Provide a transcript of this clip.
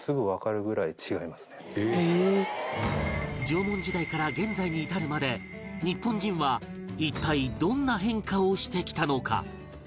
縄文時代から現在に至るまで日本人は一体どんな変化をしてきたのか？